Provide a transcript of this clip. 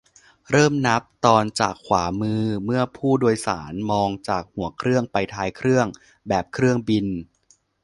- เริ่มนับตอนจากขวามือเมื่อผู้โดยสารมองจากหัวเครื่องไปท้ายเครื่อง แบบเครื่องบิน